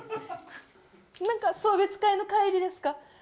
送別会の帰りですか？